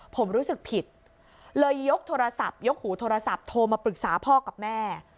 ผมรู้สึกผิดเลยยกโทรศัพท์ยกหูโทรศัพท์โทรมาปรึกษาพ่อกับแม่